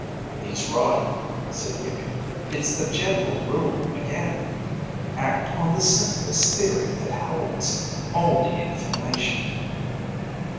"He's right," said Iimmi. "It's the general rule again. Act on the simplest theory that holds all the information."